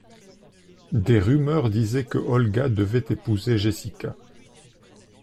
Des rumeurs disaient que Olga devrait épouser Jessica.